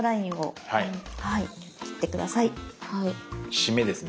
締めですね。